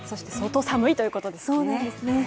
相当寒いということですね。